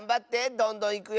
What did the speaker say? どんどんいくよ。